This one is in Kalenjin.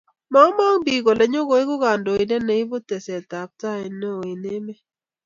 Mamong biik kole nyokoeku kandoindet ne ibu katestai neo eng emet